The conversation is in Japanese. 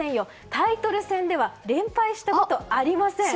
タイトル戦では連敗したことがありません。